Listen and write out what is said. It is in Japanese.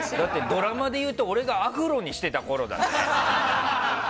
ドラマでいうと俺がアフロにしてたころだぜ？